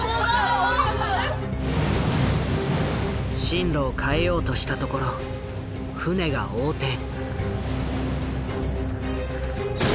進路を変えようとしたところ船が横転。